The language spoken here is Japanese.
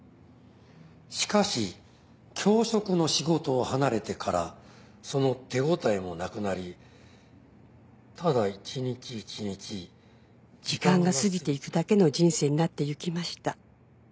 「しかし教職の仕事を離れてからその手応えもなくなりただ一日一日」「時間が過ぎていくだけの人生になってゆきました」